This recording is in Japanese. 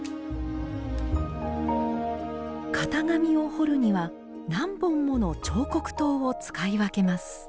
型紙を彫るには何本もの彫刻刀を使い分けます